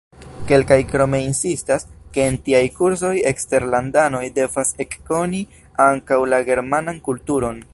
Kelkaj krome insistas, ke en tiaj kursoj eksterlandanoj devas ekkoni ankaŭ la germanan kulturon.